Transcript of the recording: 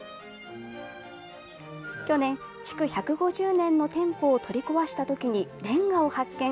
去年、築１５０年の店舗を取り壊したときに、れんがを発見。